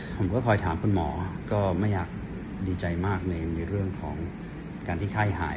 ผมก็คอยถามคุณหมอก็ไม่อยากดีใจมากในเรื่องของการที่ไข้หาย